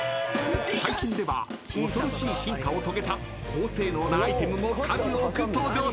［最近では恐ろしい進化を遂げた高性能なアイテムも数多く登場しています］